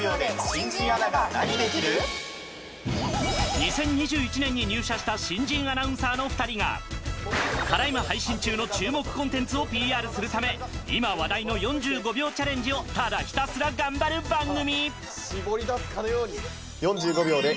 ２０２１年に入社した新人アナウンサーの２人がただ今配信中の注目コンテンツをＰＲするため今話題の４５秒チャレンジをただひたすら頑張る番組。